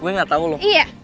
gue gak tau lo